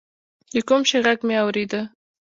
د کوم شي ږغ مې اورېده.